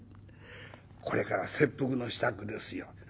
これから切腹の支度ですよ。